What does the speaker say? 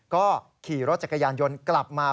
ก็ขี่รถจักรยานยนต์กลับมา